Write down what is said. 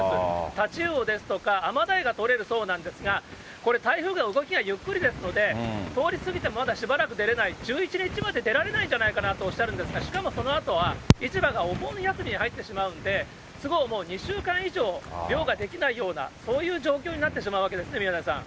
タチウオですとかアマダイが取れるそうなんですが、これ、台風が動きがゆっくりですので、通り過ぎてもまだしばらく出れない、１１日まで出られないんじゃないかなとおっしゃるんですが、しかもそのあとは市場がお盆休みに入ってしまうので、都合もう２週間以上、漁ができないような、そういう状況になってしまうわけですね、宮根さん。